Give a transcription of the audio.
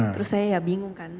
terus saya ya bingung kan